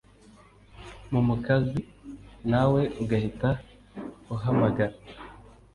mu mukazi nawe ugahita uhamagara